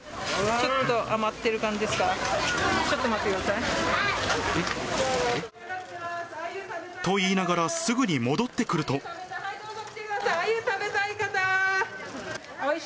ちょっと余ってる感じですか？と言いながら、すぐに戻ってどうぞ来てください。